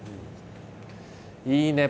いいね。